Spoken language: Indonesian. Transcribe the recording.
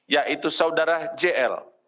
yaitu saudara jl